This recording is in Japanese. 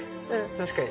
確かに。